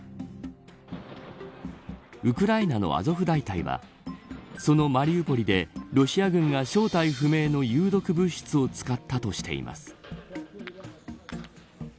ウクライナのアゾフ大隊はそのマリウポリでロシア軍が正体不明の有毒物質を使ったとしています。